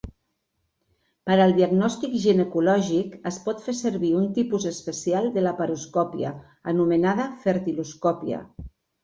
Per al diagnòstic ginecològic, es pot fer servir un tipus especial de laparoscòpia anomenada fertiloscòpia.